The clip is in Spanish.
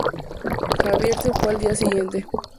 Xavier se fue al día siguiente.